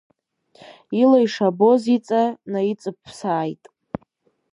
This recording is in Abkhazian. Ила ишабоз иҵа наиҵыԥсааит.